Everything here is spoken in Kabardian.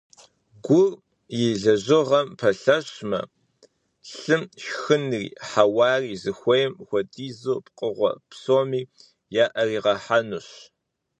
Гур и лэжьыгъэм пэлъэщмэ, лъым шхынри хьэуари зыхуейм хуэдизу пкъыгъуэ псоми яӀэригъэхьэнущ.